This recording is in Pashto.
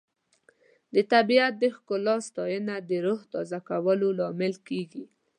د طبیعت د ښکلا ستاینه د روح تازه کولو لامل کیږي.